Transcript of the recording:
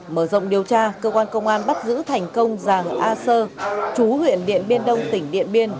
mở rộng điều tra cơ quan công an bắt giữ thành công giàng a sơ chú huyện điện biên đông tỉnh điện biên